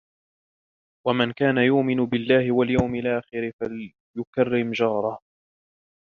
وَمَنْ كَانَ يُؤْمِنُ بِاللهِ وَالْيَوْمِ الآخِرِ فَلْيُكْرِمْ جَارَهُ،